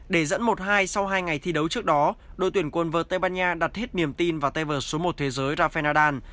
để dẫn một hai sau hai ngày thi đấu trước đó đội tuyển quân vơ tây ban nha đặt hết niềm tin vào tay vợt số một thế giới rafadan